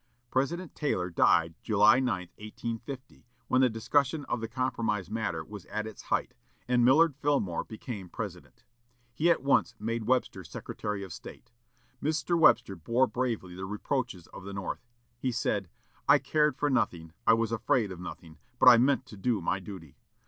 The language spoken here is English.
President Taylor died July 9, 1850, when the discussion of the Compromise matter was at its height, and Millard Fillmore became President. He at once made Webster Secretary of State. Mr. Webster bore bravely the reproaches of the North. He said, "I cared for nothing, I was afraid of nothing, but I meant to do my duty.